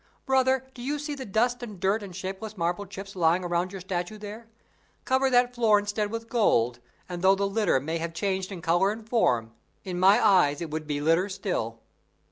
Brother, do you see the dust and dirt and shapeless marble chips lying around your statue there? Cover that floor instead with gold, and, though the litter may have changed in color and form, in my eyes it would be litter still."